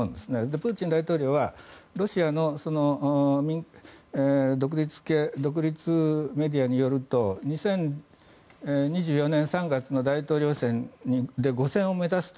プーチン大統領はロシアの独立メディアによると２０２４年３月の大統領選で５選を目指すと。